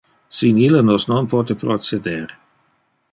Sin ille nos non pote proceder.